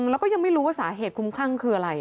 แล้วก็ยังไม่รู้ว่าสาเหตุคุ้มคลั่งคืออะไร